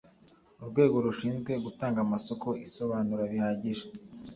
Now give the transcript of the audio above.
urwego rushinzwe gutanga amasoko isobanura bihagije